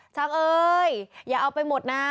ช้างเอยยอย่าเอาไปหมดนะ